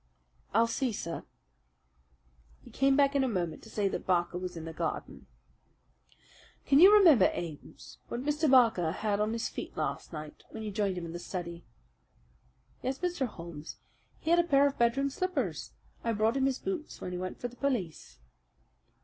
"I'll see, sir." He came back in a moment to say that Barker was in the garden. "Can you remember, Ames, what Mr. Barker had on his feet last night when you joined him in the study?" "Yes, Mr. Holmes. He had a pair of bedroom slippers. I brought him his boots when he went for the police."